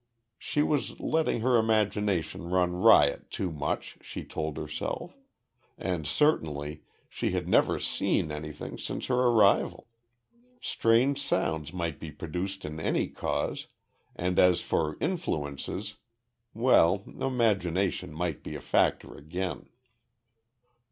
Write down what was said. She was letting her imagination run riot too much, she told herself and certainly, she had never seen anything since her arrival. Strange sounds might be produced by any cause, and as for "influences" well, imagination might be a factor again.